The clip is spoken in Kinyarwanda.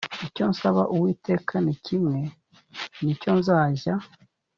icyo nsaba uwiteka ni kimwe ni cyo nzajya